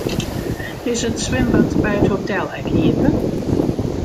Is it swimbad by it hotel ek iepen?